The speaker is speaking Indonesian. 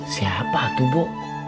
siapa tuh bu